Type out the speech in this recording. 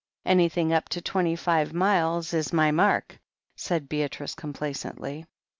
"Anything up to twenty five miles is my mark," said Beatrice complacently.